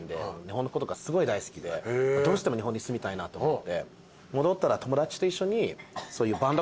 どうしても日本に住みたいなと思って戻ったら。